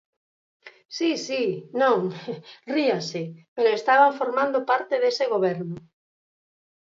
Si, si, non, ríase, pero estaban formando parte dese goberno.